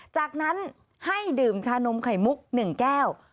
จากนั้นให้ดื่มชานมไข่มุก๑แก้ว